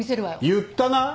言ったな？